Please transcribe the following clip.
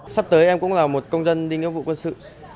sắp tới em cũng là một công dân đi nghiệp vụ quân sự